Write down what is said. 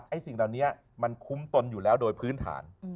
สิ่งเหล่านี้มันคุ้มตนอยู่แล้วโดยพื้นฐาน